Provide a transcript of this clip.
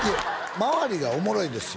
周りがおもろいんですよ